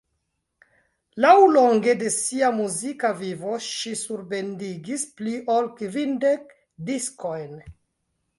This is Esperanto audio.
Laŭlonge de sia muzika vivo ŝi surbendigis pli ol kvindek diskojn.